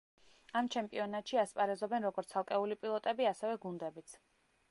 ამ ჩემპიონატში ასპარეზობენ როგორც ცალკეული პილოტები, ასევე გუნდებიც.